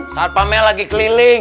saat pak mel lagi keliling